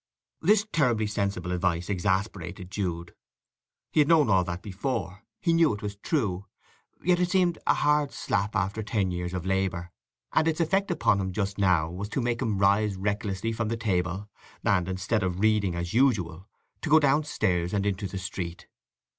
This terribly sensible advice exasperated Jude. He had known all that before. He knew it was true. Yet it seemed a hard slap after ten years of labour, and its effect upon him just now was to make him rise recklessly from the table, and, instead of reading as usual, to go downstairs and into the street.